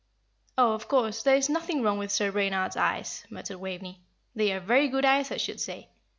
"Oh, of course, there is nothing wrong with Sir Reynard's eyes," muttered Waveney. "They are very good eyes, I should say."